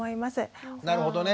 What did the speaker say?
なるほどね。